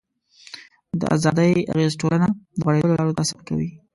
د ازادۍ اغېز ټولنه د غوړېدلو لارو ته سوق کوي.